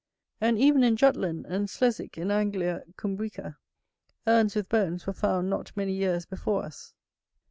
And even in Jutland and Sleswick in Anglia Cymbrica, urns with bones were found not many years before us.